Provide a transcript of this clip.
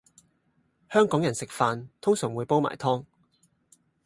香港人食飯通常會煲埋湯